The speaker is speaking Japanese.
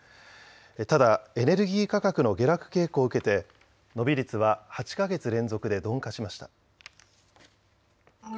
ただエネルギー価格の下落傾向を受けて伸び率は８か月連続で鈍化しました。